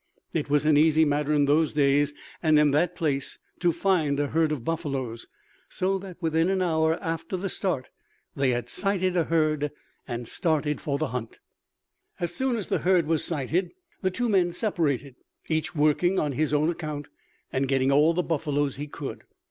It was an easy matter in those days and in that place to find a herd of buffaloes, so that within an hour after the start they had sighted a herd and started for the hunt. As soon as the herd was sighted the two men separated, each working on his own account and getting all the buffaloes he could.